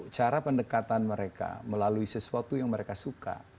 cara pendekatan mereka melalui sesuatu yang mereka suka